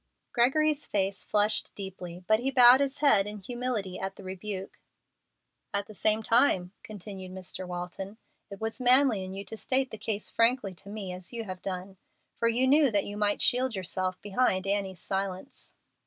Gregory's face flushed deeply, but he bowed his head in humility at the rebuke. "At the same time," continued Mr. Walton, "it was manly in you to state the case frankly to me as you have done; for you knew that you might shield yourself behind Annie's silence."